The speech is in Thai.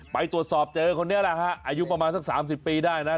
ไปตรวจสอบเจอคนนี้แหละฮะอายุประมาณสัก๓๐ปีได้นะ